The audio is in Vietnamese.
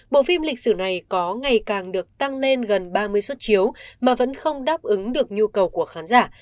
bộ phim lịch sử này có ngày càng được tăng lên gần ba mươi xuất chiếu mà vẫn không đáp ứng được nhu cầu của khán giả